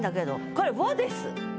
これ「を」です。